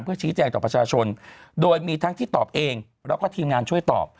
ชี้แจงต่อประชาชนโดยมีทั้งที่ตอบเองแล้วก็ทีมงานช่วยตอบ